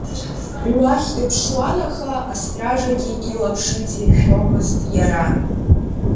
Уахь дыԥшуан, аха астражаагьы илаԥш иҵиршәомызт иара.